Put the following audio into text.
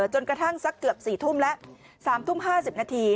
จนกระทั่งสักเกือบ๔ทุ่มแล้ว๓ทุ่ม๕๐นาที